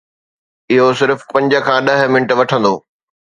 اهو صرف پنج کان ڏهه منٽ وٺندو.